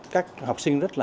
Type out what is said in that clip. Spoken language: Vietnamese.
các học sinh rất là